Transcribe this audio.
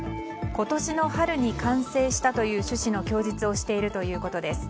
今年の春に完成したという趣旨の供述をしているということです。